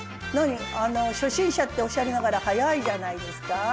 何あの初心者っておっしゃりながら早いじゃないですか。